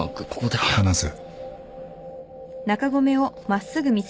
話せ。